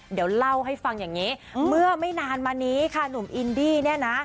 เดี๋ยวเล่าให้ฟังอย่างนี้เมื่อไม่นานมานี้ค่ะหนุ่มอินดี้เนี่ยนะ